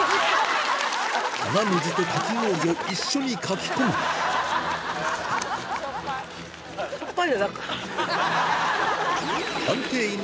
鼻水とかき氷を一緒にかき込むお前！